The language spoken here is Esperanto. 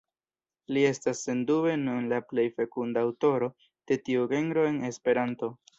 Li estas sendube nun la plej fekunda aŭtoro de tiu genro en Esperanto.